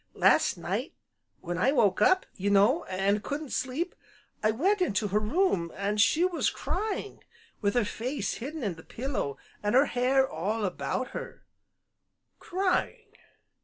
Last night, when I woke up, you know, an' couldn't sleep, I went into her room, an' she was crying with her face hidden in the pillow, an' her hair all about her " "Crying!"